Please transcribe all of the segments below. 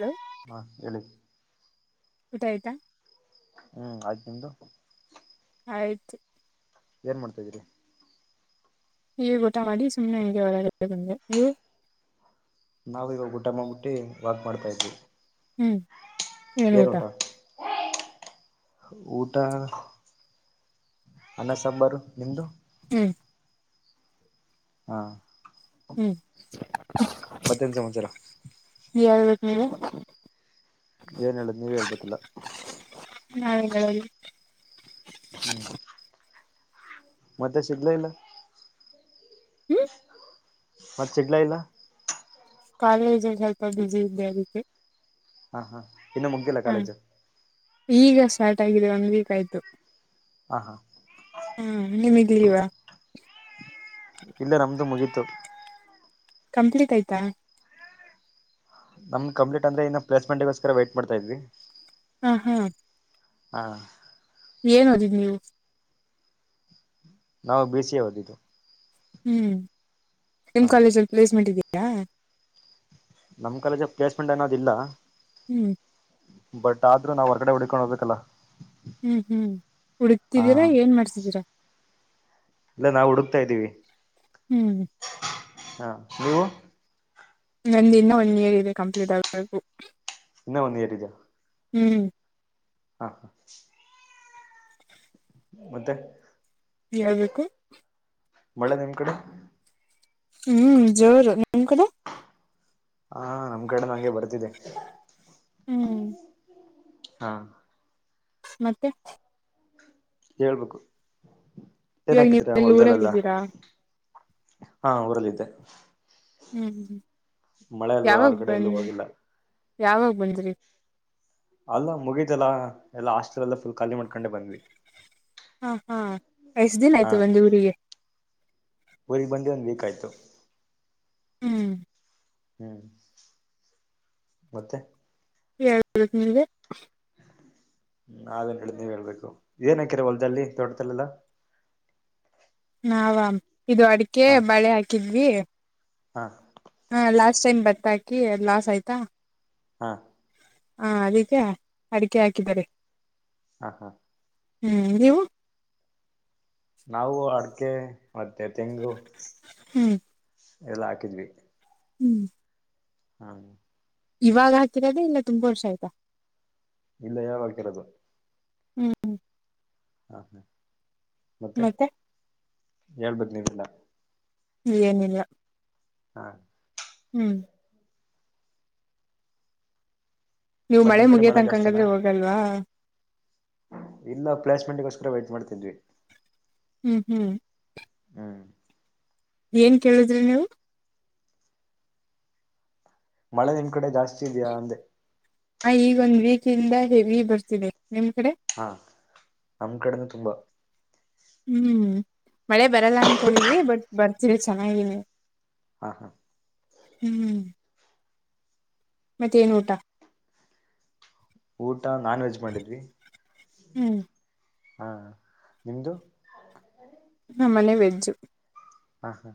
Hello ಹಾ ಎಲ್ಲಿ ಊಟ ಆಯ್ತಾ ಹ್ಮ್ ಆಯ್ತ್ ನಿಂದು ಆಯ್ತ್ ಏನ್ ಮಾಡ್ತಾದ್ದೀರಿ ಈ ಊಟ ಮಾಡಿ ಸುಮ್ನೆ ಹಗೆ ಹೊರಮೆ ನೀವು ನಾವವು ಇವಾಗ ಊಟ ಮಾಡ್ಬಿಟ್ಟಿ ವಾಕ್ ಮಾಡ್ತಾ ಇದ್ವಿ ಹ್ಮ್ ಏನ್ ಊಟ ಊಟ ಅನ್ನ ಸಂಬರು ನಿಮ್ದು ಹ್ಮ್ ಹಾ ಹ್ಮ್ ಮತ್ತೇನ್ ಸಮಾಚಾರ ಹೇಳ್ಬೇಕು [unintelligible] ಏನ್ ಹೇಳುದ ನೀವ ಹೇಳ್ಬೇಕತಿಲ್ಲ ನಾವ್ ಹೆನ್ ಹೇಳೋದು ಹ್ಮ್ ಮತ್ತೆ ಸಿಗ್ಲ ಇಲ್ಲ ಹ್ಮ ಮತ್ತೆ ಚಗ್ಲ ಇಲ್ಲ ಕಾಲೇಜಲ್ಲಿ ಸ್ವಲ್ಪ ಬ್ಯುಸಿ ಇದೆ ಅದಕ್ಕೆ ಹಾ ಹಾ ಇನ್ನುೂ ಮುಗಗಿಲ್ಲ ಹ ಕಾಲೇಜು ಈಗ ಸ್ಟಾರ್ಟ್ ಆಗಿದೆ ಒನ್ ವೀಕ್ ಆಯ್ತು ಹಾ ಹಾ ಹ್ಮ [unintelligible] ಇಲ್ಲ ನಮ್ದು ಮುಗೀತು ಕಂಪ್ಲೀಟ್ ಆಯ್ತಾ ನಮ್ ಕಂಪ್ಲೇಂಟ್ ಅಂದ್ರೆ ಇನ್ನು ಪ್ಲೇಸ್ಮೆಂಟ್ಗೋಸ್ಕರ ವೈಟ್ ಮಾಡ್ತಾ ಇದ್ವಿ ಆಹಾ ಹಾ ಏನ್ ಓದಿದ್ ನೀವು ನಾವು ಬಿ ಸಿ ಹೊದಿದ್ದು ಹ್ಮ್ ನಿಮ ಕಾಲೇಜಲ್ಲಿ ಪ್ಲೇಸ್ಮೆಂಟ್ ಇದೀಯಾ ನಮ್ ಕಾಲೇಜ ಪ್ಲೇಸ್ಮೆಂಟ್ ಅನ್ನೋದಿಲ್ಲಾ ಹ್ಮ್ ಬಟ್ ಆದ್ರೂ ನಾವ್ ಹೊರಗಡೆ ಹಡ್ಕೊಂಡು ಹೋಗ್ಬೇಕಲ್ಲ ಹ್ಮ್ ಹ್ಮ್ ಉಡತಿದೀರಾ ಹಾ ಏನ್ ಮಾಡ್ಸಿದ್ದೀರಾ ಇಲ್ಲ ನಾವು ಹುಡುಕ್ತಾ ಇದ್ದೀವಿ ಹ್ಮ್ ಹಾ ನೀವು ನಂದ ಇನ್ನ ಒನ್ ಇಯರ್ ಇದೆ ಕಂಪ್ಲೀಟ್ ಆಗ್ಬೇಕು ಇನ್ನ ಒನ್ ಇಯರ್ ಇದೀಯ ಹ್ಮ್ ಹಾ ಹಾ ಮತ್ತೆ ಯಲ್ಬೆಬೇಕು ಮಳೆ ನಿಮ್ ಕಡೆ ಹ್ಮ್ ಜೋರು ನಿಮ್ ಕಡೆ ಹಾ ನಮ್ ಕಡೆ ಅಂಗೆ ಬರ್ತಿದೆ ಹ್ಮ್ ಹಾ ಮತ್ತೆ ಹೇಳ್ಬೇಕು ಏನ್ ಇವಾಗ ಹಾಕಿದ್ರ ನೀವೆಲ್ಲ ಊರಲ್ಲ ಹೊಲ್ದಲ್ಲೆಲ್ಲ ಇದ್ದೀರಾ ಹಾ ಊರಲ್ಲಿದ್ದೆ ಹ್ಮ್ ಮಳೆ ಅಲ್ವಾ ಯಾವಾಗ ಹೊರಗಡೆ ಎಲ್ಲೂ ಬನ್ನ ಹೋಗಿಲ್ಲ ಯಾವಾಗ ಬಂದ್ರಿ ಅಲ್ಲ ಮುಗಿತಲ್ಲಾ ಎಲ್ಲಾ ಹಾಸ್ಟೆಲ್ ಎಲ್ಲ ಫುಲ್ ಖಾಲಿ ಮಾಡ್ಕೊಂಡೆ ಬಂದ್ವಿ ಹಾ ಹಾ ಎಷ್ಟ ದಿನ ಹಾ ಆಯ್ತು ಬಂದ ಊರಿಗೆ ಊರಿಗೆ ಬಂದು ಒಂದ್ ವೀಕ್ ಆಯ್ತು ಹ್ಮ್ ಹ್ಮ್ ಮತ್ತೆ ಯ ನಿಮಗೆ ಹ್ಮ ನಾವೇನ್ ಹೇಳಿ ನೀವ್ ಹೇಳ್ಬೇಕು ಏನ್ ಹಾಕಿರವಲ್ಲ್ಲಿ ದೊಡ್ಡತಲ್ಲೆಲ್ಲ ನಾವಾಮ ಇದು ಅಡಿಕೆ ಹಾ ಬಳೆ ಹಾಕಿದ್ವಿ ಹಾ ಹಾ ಲಾಸ್ಟ್ ಟೈಮ್ ಬತ್ತಾಕಿ ಲಾಸ್ ಆಯ್ತಾ ಹಾ ಹಾ ಅದಕ್ಕೆ ಅಡಿಕೆ ಹಾಕಿದಿದ್ದಾರೆ ಹಾ ಹಾ ಹ್ಮ್ ನೀವು ನಾವು ಅಡಕೆ ಮತ್ತೆ ತೆಂಗು ಹ್ಮ್ ಎಲ್ಲ ಹಾಕಿದ್ವಿ ಹ್ಮ್ ಹಾ ಇವಾಗ ಹಾಕರದೆ ಇಲ್ಲ ತುಂಬಾ ವರ್ಷ ಆಯ್ತಾ ಇಲ್ಲ ಬಕರದ ಹ್ಮ್ ಹಾ ಹಾ ಮತ್ತೆ ಹಳ್ ಬದನಿದೆಲ್ಲ ಏನಿಲ್ಲ ಹಾ ಹ್ಮ್ ನೀವು ಮತ್ ಮಳೆ ನಿಮ್ ಕಡೆ ಜಾಸ್ತಿನಾ ಮುಗಿಯತನಕಂಗಾದ್ರೆ ಹೋಗಲ್ವಾ ಇಲ್ಲ ಪ್ಲೇಸ್ಮೆಂಟ್ಗೋಸ್ಕರ ವೈಟಟ್ ಮಾಡ್ತಿದ್ವಿ ಹ್ಮ್ ಹ್ಮ್ ಹ್ಮ್ ಏನ್ ಕೇಳಿದ್ರಿ ನೀವು ಮಳೆ ನಿನ್ ಕಡೆ ಜಾಸ್ತಿ ಇದ್ಯಾ ಅಂದೆ ಹ ಈಗ ಒಂದ್ ವೀಕ್ಂದ ಹೆವಿ ಬರ್ತಿದೆ ನಿಮ್ ಕಡೆ ಹಾ ನಮ ಕಡೆನು ತುಂಬಾ ಹ್ಮ್ ಮಳೆ ಬರಲ್ಲ ಅನ್ಕೊಂಡಿದ್ ಬಟ್ ಬರ್ತೀರಿ ಚೆನ್ನಾಗನಿ ಹಾ ಹಾ ಹ್ಮ್ ಮತ್ತೆ ಏನ್ ಊಟ ಊಟ ನಾನ್ ವೆಜ್ ಮಾಡಿದ್ರಿ ಹ್ಮ್ ಹಾ ನಿಮ್ದು ನ ಮನೆ ವೆಜ್ಜು ಹಾ ಹಾ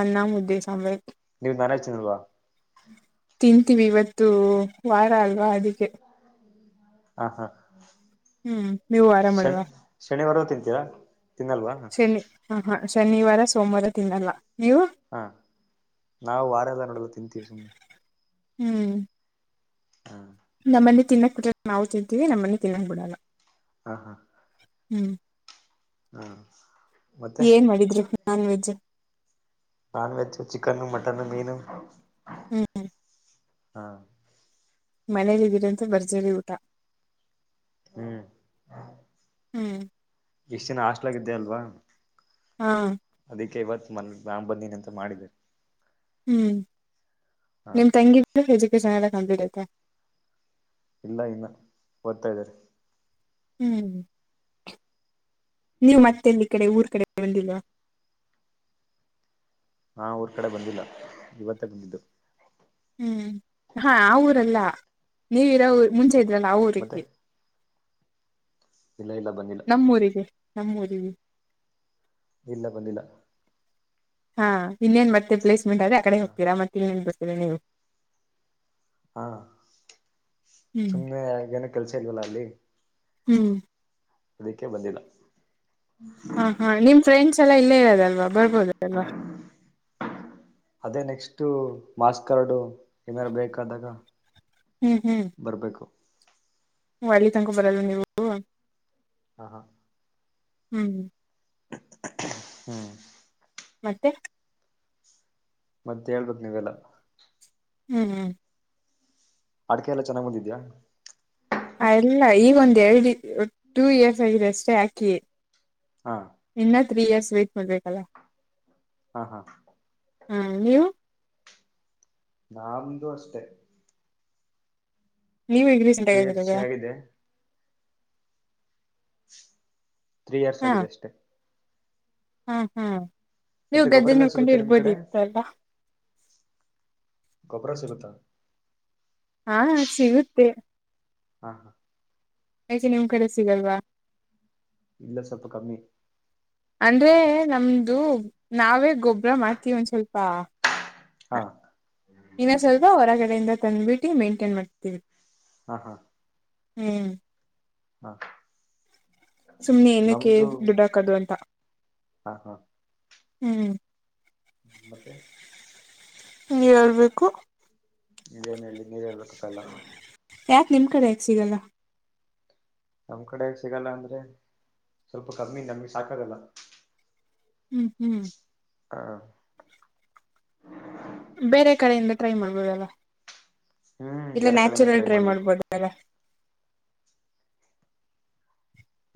ಅನ್ನಾಮ ಉದ್ದೇಶಭ ನೀವು ನಾನಾಯತನಲ್ವಾ ವಿ ಇವತ್ತು ವಾರ ಅಲ್ವಾ ಅದಕ್ಕೆ [inaudible] ಹ್ಮ್ ನೀವು ವರ ಶನ್ ಮಾಡವ ಶನಿವಾರ ತಿಂತೀರಾ ತಿನ್ನಲ್ವಾ ಹ ಹಾ ಶನಿವಾರ ಸೋಮವಾರ ತಿನ್ನಲ್ಲ ನೀವು ಹಾ ನಾವು ವಾರೆಲ್ಲ ನೋಡಲ್ಲ ತಿಂತೀವಿ ಸುಮಮ್ಮನೆ ಹೂ ಹಾ ನಮ್ಮನ್ನಿ ತಿನ್ನಕ್ ಬಿಟ್ರ ನಾವು ತಿಂತೀವಿ ನಮ್ಮನ್ನಿ ತಿನ್ನಕ್ ಬಿಡಲ್ಲ ಹಾ ಹಾ ಹೂ ಹೂ ಏನ್ ಮಾಡಿದ್ರಿ non veg non veg chicken mutton ಮೀನು ಹೂ ಹಾ ಮನೇಲಿ ಇದರಂತೆ ಭರ್ಜರಿ ಊಟ ಹ್ಮ್ ಹೂ ಎಷ್ಟ ದಿನ ಹಾಸ್ಲಾಗಿದ್ದೇ ಅಲ್ವಾ ಹಾ ಅದಕ್ಕೆ ಇವತ್ತು ಮ ನಾಂಬಂದನ ಅಂತ ಮಾಡಿದ್ದರಿ ಹೂ ನಿಮ್ ತಂಗಿ ಎಜುಕೇಶನ್ ಎಲ್ಲ ಕಂಪ್ಲೀಟ್ ಆಯ್ತಾ ಇಲ್ಲ ಇನ್ನ ಓದ್ತಾ ಇದ್ದಾರೆ ಹೂ ನೀವು ಹ್ಮ್ ಮತ್ತೆಲ್ಲಿ ಕಡೆ ಊರ್ ಕಡೆ ತಗ್ಕೊಂಡಿಲ್ವ ಹಾ ಊರ್ ಕಡೆ ಬಂದಿಲ್ಲ ಇವತ್ತೇ ಬಂದಿದ್ದು ಹೂ ಹಾ ಆ ಊರಲ್ಲ ನೀವು ಇರೋ ಊ ಹ ಮುಂಚೆ ಇದ್ರಲ್ಲ ಆ ಮತ್ತೆ ಊಕ್ಕೆ ಇಲ್ಲ ಇಲ್ಲ ಬಂದಿಲ್ಲ ನಮ್ಮರಿ ಇಲ್ಲ ಬಂದಿಲ್ಲ ಹಾ ಇನ್ನೇನ್ ಬರ್ತೀ ಪ್ಲೇಸ್ಮೆಂಟ್ ಆದ್ರೆ ಆ ಕಡೆ ಹೋಗ್ತೀರಾ ಮತ್ತೆ ಇನ್ನೇನ್ ಬರ್ತೀರ ನೀವು ಹಾ ಹ್ಮ್ ಸುಮ್ನೆ ಏನ ಕೆಲ್ಸ ಇದಲ್ವಲ್ಲ ಅಲ್ಲಿ ಹೂ ಅದಕ್ಕೆೇ ಬಂದಿಲ್ಲ ಹಾ ಹಾ ನಿಮ್ ಫ್ರೆಂಡ್ಸ್ ಎಲ್ಲ ಇಲ್ಲೇ ಇರೋದಲ್ವಾ ಬರ್ಬೋದ ಅದಲ್ವಾ ಅದೇ ನೆಕ್ಸ್ಟ್ ಮಾಸ್ಕಾರ್ಡು ಏನಾರ ಬೇಕಾದಾಗ ಬರ್ಬೇಕು ಹ ಅಳ್ಳಿ ತನಕ ಬರಲ್ ನೀವು ಹಾ ಹಾ ಹೂ ಹೂ ಮತ್ತೆ ಮತ್ತೆ ಹೇಳ್ಬಕ್ ನೀವೆಲ್ಲ ಹೂ ಹೂ ಅಡಕೆ ಎಲ್ಲ ಚೆನ್ನಾಗ್ ಬಂದಿದ್ಯಾ ಅಲ್ಲ ಈಗ ಒಂದ್ ಎರಡ್ ಟೂ ಇಯರ್ಸ್ ಆಗಿದೆ ಅಷ್ಟೆ ಹಾಕಿ ಹಾ ಇನ್ನ ತ್ರಿ ಇರ್ಸ್ ವಯ್ಟ್ ಪಲ್್ರಕ್ಕಲ್ಲ ಹಾ ಹಾ ಹಾ ನೀವು ನಮ್ದು ಅಷ್ಟೆ ನೀವು ಈಗ ರೀಸೆಂಟ್ ತ್ರೀ ಇಯರ್ಸ್ ಆಗಿರೋದ ಆಗಿದೆ ತ್ರೀ ಇಯರ್ಸ್ ಆಗಿದೆ ಅಷ್ಟೆ ಹೂ ಹೂ ನೀವು ಮತ್ತೆ ಗದ್ದೆ ಗೊಬ್ಬರ ಎಲ್ಲ ನೋಡ್ಕೊಂಡು ಸಿಗುತ್ತೆ ನಿಮ್ ಇರ್ಬೋದ ಕಡೆ ಇತ್ತುಲ್ಲ ಕೊಬ್ಬರ ಸಿಗುತ ಹಾ ಸಿಗುತ್ತೆ ಹಾ ಹಾ ಯಾಕೆ ನಿಮ್ಮ ಕಡೆ ಸಿಗಲ್ವಾ ಇಲ್ಲ ಸ್ವಲ್ಪ ಕಮ್ಮಿ ಅಂದ್ರೆ ನಮ್ದು ನಾವೇ ಗೊಬ್ಬರ ಮಾಡ್ತೀವಿ ಒಂದ್ ಸ್ವಲ್ಪ ಹಾ ಇನ್ನೊ ಸ್ವಲ್ಪ ಹೊರಗಡೆಯಿಂದ ತಂದ ಬಿೀಟಿ ಮೈಂಟೈನ್ ಮಾಡ್ತೀವಿ ಹಾ ಹಾ ಹ್ಮ್ ಹಾ ಸುಮ್ನೆ ಏನಕ್ಕೆ ನಮ್ದು ದುಡ್ಡಾ ಕದು ಅಂತ ಹಾ ಹ್ಮ್ ್ಮ ಮತ್ತೆ ಹಗೆ ಹಳ್ಬೇಕು ಏನ್ ಹೇಳಿ ನೀವೇ ಹೇಳ್ಬೇಕಪ್ಪಯಲ್ಲ ಯಾಕೆ ನಿಮ್ ಕಡೆ ಯಾಕೆ ಸಿಗಲ್ಲ ನಮ್ ಕಡೆ ಸಿಗಲ್ಲ ಅಂದ್ರೆ ಸ್ವಲ್ಪ ಕಮ್ಮಿ ನಮ್ಗೆ ಸಾಕಾಗಲ್ಲ ಹ್ಮ್ ಹ್ಮ್ ಹಾ ಬೇರೆ ಕಡೆಯಿಂದ ಟ್ರೈ ಮಾಡ್ಬೋದಲ್ಲ ಹ್ಮ್ ಇಲ್ಲ ಬೇರೆ ಕಡೆನ ನ್ಯಾಚುರಲ್ ಟ್ರೈ ಮಾಡ್ಬೇಕು ಮಾಡ್ಬೋದ ಅಲ್ಲ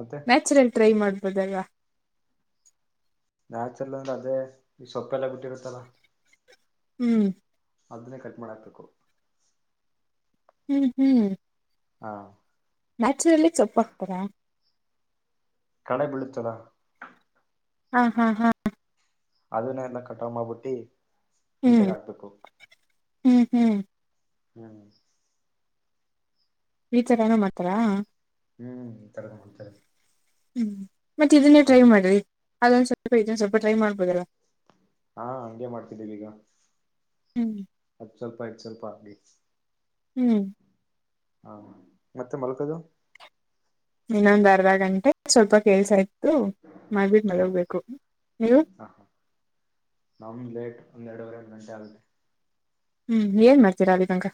ಮತ್ತೆ ನ್ಯಾಚುರಲ್ ಟ್ರೈ ಮಾಡ್ಬೋದಾಗ ನ್ಯಾಚುಲ್ ಅಂದ್ರೆ ಅದೇ ಈ ಸೊಪ್ಪೆಲ್ಲ ಬಿಟ್ಟಿರುತ್ತಲ್ಲ ಹ್ಮ್ ಅದನ್ನೇ ಕಟ್ ಮಾಡಾಕ್ಬೇಕು ಹ್ಮ್ ಹ್ಮ್ ಹಾ ನ್ಯಾಚುರಲ್ಲಿ ಚೊಪ್ಪ ಹಾ್ತಾರಾ ಕಣ ಬಿಿಳಚಲಾ ಹಾ ಹಾ ಹಾ ಅದನ್ನ ಎನ್ನ ಕಟ್ ಮಾಡಬಿಟ್ಟಿ ಹ್ಮ್ ನೀಟಾಗಿ ಹಾಕ್ಬೇಕು ಹ್ಮ್ ಹ್ಮ್ ಹ್ಮ್ [unintelligible] ಮಾತ್ರ. ಹ್ಮ್ ಉತ್ತರಗ ಉತ್ತರ ಹ್ಮ್ ಮತ್ತೆ ಇದನ್ನೇ ಟ್ರೈ ಮಾಡ್ರಿ ಅದೊಂದ ಸ್ವಲ್ಪ ಇದನ್ ಸ್ವಲ್ಪ ಟ್ರೈ ಮಾಡ್ಬೋದಲ್ಲ ಹಾ ಹಂಗೆ ಮಾಡ್ತಿದ್ದೀವಿ ಹ್ಮ್ [unintelligible] ಆಗ್ಡಿ ಹ್ಮ್ ಹಾ ಮತ್ತೆ ಮೊಲ್ಕದು ಇನ್ನೊಂದ್ ಅರ್ಧ ಗಂಟೆ ಸ್ವಲ್ಪ ಕೇಸ ಆತು ಮಬಟ್ ಹಾ ಮಲೋಗ್ಬೇಕು ನೀವು ಹಾ ಒಂದೆರಡವರೆ ಎರಡು ಗಂಟೆ ಆಗುತ್ತೆ ಹ್ಮ್ ಏನ್ ಮಾಡ್ತೀರಾ ನೀವೀಗ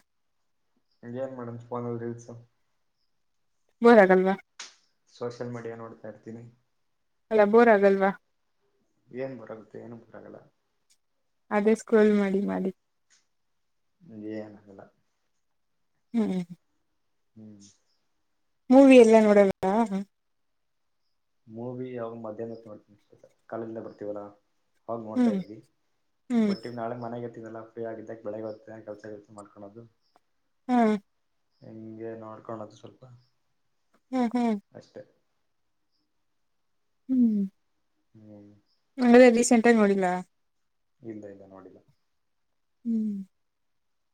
ಇನ್ ಏನ್ ಮೇಡಮ್ಫೋನಲ್ ರೀಲ್ಸ್ ಬೋರಗಲ್ವಾ ಸೋಷಿಯಲ್ ಮೀಡಿಯಾ ನೋಡ್ತಾ ಇರ್ತೀನಿ ಎಲ್ಲ ಬೋರ್ ಆಗಲ್ವಾ ಏನ್ ಬರಗುತ್ತೆ ಏನು ಬರಾಗಲ್ಲ ಅದೇ ಸ್ಕ್ರೋಲ್ ಮಾಡಿ ಮಾಡಿ ಏನಿಲ್ಲ ಹ್ಮ್ [inaudible] ಮೂವಿ ಎಲ್ಲ ನೋಡಣ ಮೂವಿ ಯಾವಾಗ ಮಧ್ಯಾಹ್ನ ನೋತೀನಿಷ್ಟ ಕಾಲೇಜ್ಲ್ಲ ಬರ್ತೀವಲ್ಲಾ ಹೋಗ್ ನೋಡ್ತಾ ಹ್ಮ್ ಇದ್ವಿ ಹ್ಮ್ ಬಟ್ ಇ್ ನಾಳೆ ಮನೆಗ ಫ್ರೀ ಆಗಿದ್ದಾಗ ಬೆಳಗ್ ಬರ್ತ್ತೆ ಕೆಲ್ಸ ಕೆಲ್ಸ ಮಾಡ್ಕೊದು ಹ್ಮ್ ಹೆಂಗೆ ನೋಡ್ಕೊಳದು ಸ್ವಲ್ಪ ಹ್ಮ್ ಹ್ಮ್ ಅಷ್ಟೇ ಹ್ಮ್ ಹ್ಮ್ ಅಂಗ್ರೆ ರೀಸೆಂಟ್ ಆಗಿ ನೋಡಿಲ್ಲ ಇಲ್ಲ ಇಲ್ಲ ನೋಡಿಲ್ಲ ಹ್ಮ್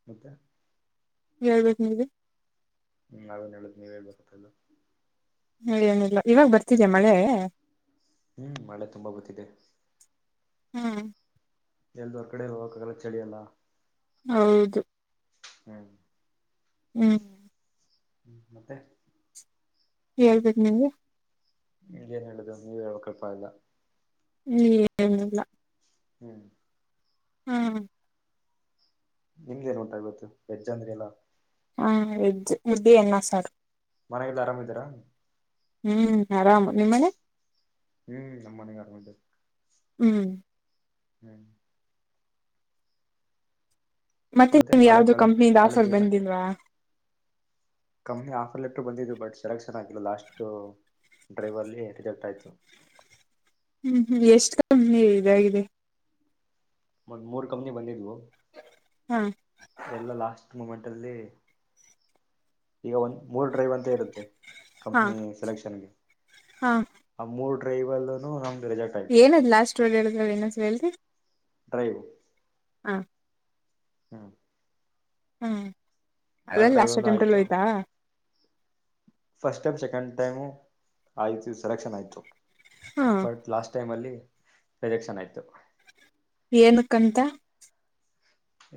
ಮತೆ ಹೇಳ್ ಬೇಕ್ ನೀವೇ ಹ್ಮ್ ಅವೇನ್ ಹೇಳುದು ನೀವ್ಳ್ ಬರತ್ತ ಅದು ಹ ಏನಿಲ್ಲ ಇವಾಗ ಬರ್ತಿದೆಯಾ ಮಳೆ ಹ್ಮ್ ಮಳೆ ತುಂಬಾ ಗೊತ್ತಿದೆ ಹ್ಮ್ ಎಲ್ದವರ್ ಕಡೆ ಹೋಗಕ್ಕಾಗಲ್ಲ ಚಳಿ ಅಲ್ಲ ಹೌದು ಹ್ಮ್ ಹ್ಮ್ ಹ್ಮ್ ಮತ್ತೆ ಹ ಹಳ್ಬೇಕ ನಿವೆ ಏನ್ ಹೇಳುದು ನೀವ ಹೇಳಕಲ್ಪ ಇಲ್ಲ ಹ ಏನಿಲ್ಲ ಹ್ಮ್ ಹ ನಿಮ್ದ ಏನ್ ಉಂಟಾಗ ಗತ್ತು ಹೆಜ್ಜಾ ಅಂದ್ರೆ ಎಲ್ಲಾ ಹಾ ಎಜಜ್ ಬಿ ಎನ್ನ ಸರ್ ಮನಲ್ಲ ಆರಾಮ್ ಇದಿರಾ ಹ್ಮ್ ಆರಾಮ್ ನಿಮ್ಮನೆ ಹ್ಮ್ ನಮ್ಮನೆಗೆ ಆರಮಟ ಹ್ಮ್ ಹ್ಮ್ ಮತ್ತೆ ನೀವ್ ನಾಳೆ ಯಾವ್ದೋ ಕಳೆ ಕಂಪ್ನಿದ ಕಾಲೇಜ್ ಆಫರ್ ಇಲ್ಲ ಬಂದಿಲ್ವಾ ಕಂಪ್ನಿ ಆಫರ್ ಲೆಟ್ಟರು ಬಂದಿದ್ದು ಬಟ್ ಸೆಲೆಕ್ಷನ್ ಆಗಿಲ್ಲ ಲಾಸ್ಟ್ ಡ್ರೈವರ್ಲ್ಲಿ ಹೆಜೆಕ್ಟ್ ಆಯ್ತು ಹ್ಮ್ ಎಷ್ಟ ಕಂಪ್ನಿ ಇದಾಗಿದೆ ಮ್ ಮೂರ್ ಕಂಪ್ನಿ ಬಂದಿದ್ವು ಹಾ ಎಲ್ಲ ಲಾಸ್ಟ್ ಮೂಮೆಂಟ್ ಈಗ ಒಂದ್ ಮೂರ್ ಡ್ರೈವ್ ಅಂತ ಇರುತ್ತೆ ಹಾ ಕಂಪ್ನಿ ಸೆಲೆಕ್ಷನ್ಗೆ ಹಾ ಆ ಮೂರ್ ಡ್ರೈವಲ್ಲ ನಮ ಏನದ್ ಲಾಸ್ಟ್ ರೋಡ್ ಹೇಳಿದ್ರ ನಸ ಹೇಳಿ ಡ್ರೈವ್ ಹಾಂ ಹಾಂ ಹ್ಮ್ ಅದಲ್ಲಿ ಲಾಸ್ಟ್ ಎಲ್ಲ ಅಟೆಂಎಲ್ಲ ಆಯ್ತು ಹೋಯ್ತಾ ಫಸ್ಟ್ ಟೈಮ್ ಸೆಕೆಂಡ್ ಟೈಮ್ ಆಯ್ತು ಸೆಲೆಕ್ಷನ್ ಆಯ್ತು ಹಾ ಬಟ್ ಲಾಸ್ಟ್ ಟೈಮ್ ಅಲ್ಲಿ ರಿಜೆಕ್ಷನ್ ಆಯ್ತು ಏನ ಕಂತ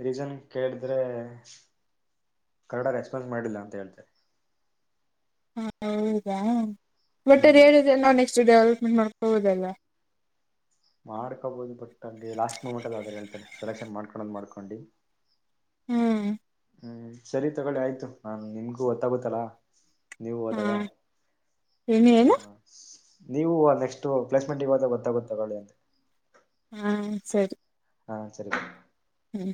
ರೀಸನ್ ಕೇಳಿದ್ರೆ ಕರಡ ರೆಸ್ಪಾನ್ಸ್ ಮಾಡಿಲ್ಲ ಅಂತ ಹೇಳ್ತಾರೆ ಹ ಹೌದಾ ಮಟ್ಟ ಹ್ಮ್ ಹೇಳ್ರ ನಾ ನೆಕ್ಸ್ ಅಷ್ಟು ಡೆವಲಪ್ಮೆಂಟ್ ಮಾಡ್ಕೋಬೋುದಲ್ಲ ಮಾಡ್ಕೋಬೋದು ಬಟ್ ಹಾಗೆ ಲಾಸ್ಟ್ ಮೂಮೆಂಟ್ ಅಲ್ಲಿರೂ ಹೇಳ್ತಾರೆ ಸೆಲೆಕ್ಷನ್ ಮಾಡ್ಕೊಂಡಂದ್ ಮಾಡ್ಕೊಂಡು ಹ್ಮ್ ಹ್ಮ್ ಸರಿ ತಗೊಳ್ಳ ಆಯ್ತು ನಾನ್ ನಿಮ್ಗೂ ಗೊತ್ತಾಗುತ್ತಲ್ಲಾ ನೀವು ಹಾ ಹೋದಾಗ ನು ಏನು ಹ ನೀವು ನೆಕ್ಸ್ಟ್ ಪ್ಲೇಸ್ಮೆಂಟ್ಗ ಗೊತ್ತಾಗ ಗೊತ್ತಳಿ ಅ ಹಾ ಸರಿ ಹಾ ಸರಿ ಹ್ಮ